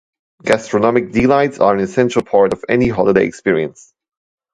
Gastronomic delights are an essential part of any holiday experience.